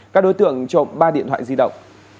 các đối tượng trộm ba điện thoại di động